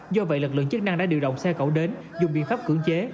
do vậy lực lượng chức năng đã điều động xe cẩu đến dùng biện pháp cưỡng chế